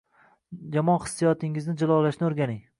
Yomon hissiyotingizni jilovlashni o’rganing